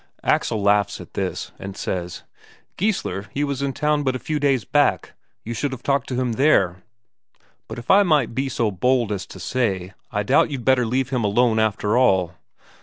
Axel laughs at this, and says: "Geissler he was in town but a few days back; you should have talked to him there. But if I might be so bold as to say, I doubt you'd better leave him alone, after all."